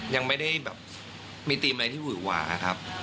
ยังไม่ได้แบบมีธีมอะไรที่หวือหวาครับ